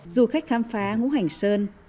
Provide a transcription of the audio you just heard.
du khách khám phá ngũ hoành sơn